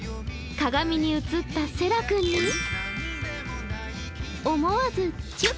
鏡に映ったせら君に、思わずチュっ！